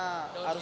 willya di pua